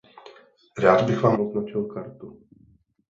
Rád bych vám označil kartu.